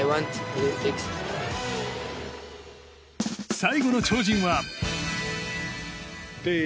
最後の超人は。